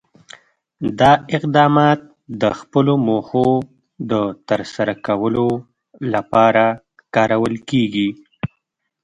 دا اقدامات د خپلو موخو د ترسره کولو لپاره کارول کېږي.